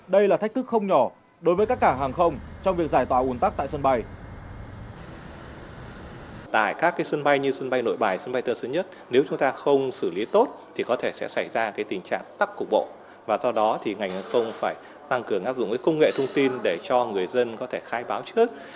đây là thách thức không nhỏ đối với các cảng hàng không trong việc giải tỏa ủn tắc tại sân bay